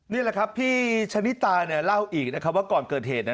นี่แหละครับพี่ชะนิตาเนี่ยเล่าอีกนะครับว่าก่อนเกิดเหตุ